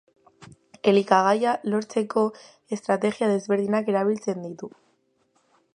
Elikagaia lortzeko estrategia desberdinak erabiltzen ditu.